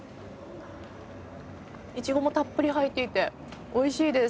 イチゴもたっぷり入っていておいしいです。